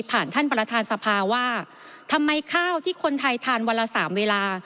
ผ่านท่านประธานสภาว่าทำไมข้าวที่คนไทยทานวันละสามเวลา